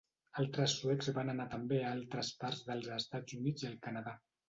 Altres suecs van anar també a altres parts dels Estats Units i al Canadà.